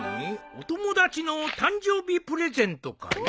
お友達の誕生日プレゼントかい。